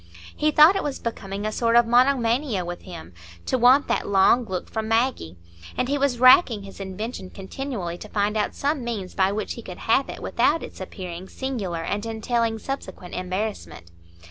He thought it was becoming a sort of monomania with him, to want that long look from Maggie; and he was racking his invention continually to find out some means by which he could have it without its appearing singular and entailing subsequent embarrassment.